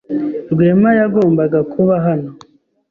Rwema yagombaga kuba hano.